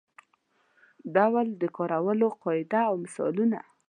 ډول د کارولو قاعده او مثالونه.